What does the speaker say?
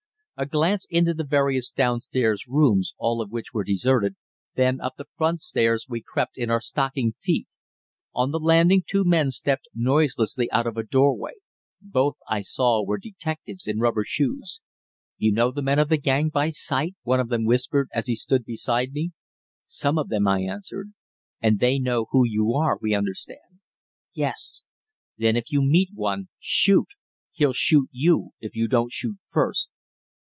A glance into the various downstair rooms, all of which were deserted, then up the front stairs we crept in our stockinged feet. On the landing two men stepped noiselessly out of a doorway. Both, I saw, were detectives in rubber shoes. "You know the men of the gang by sight?" one of them whispered, as he stood beside me. "Some of them," I answered. "And they know who you are, we understand." "Yes." "Then if you meet one shoot! He'll shoot you if you don't shoot first."